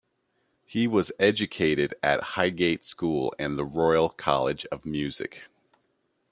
He was educated at Highgate School and the Royal College of Music.